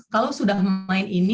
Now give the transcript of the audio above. kalau sudah main ini